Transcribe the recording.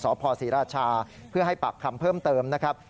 ศรีราชาเพื่อให้ปากคำเพิ่มเติมนะครับ